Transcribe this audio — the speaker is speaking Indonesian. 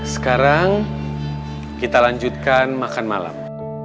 sekarang kita lanjutkan makan malam